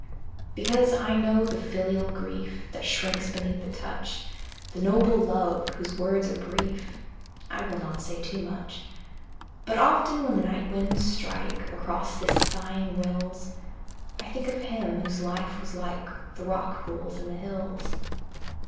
Because I know the filial grief That shrinks beneath the touch The noble love whose words are brief I will not say too much; But often when the night winds strike Across the sighing rills, I think of him whose life was like The rock pool's in the hills.